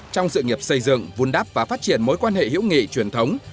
trong sự nghiệp xây dựng vun đắp và phát triển mối quan hệ hữu nghị truyền thống